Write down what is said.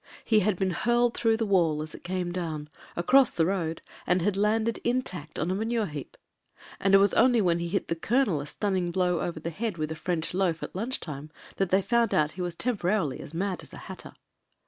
He had been hurled through the wall as it came down, across the road, and had landed intact on a manure heap. And it was only when he hit the colonel a stun ning blow over the head with a French loaf at lunch time that they found out he was temporarily as mad as a hatter.